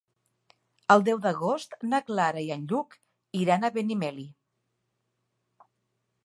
El deu d'agost na Clara i en Lluc iran a Benimeli.